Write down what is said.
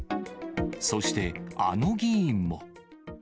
そして、あの議員も。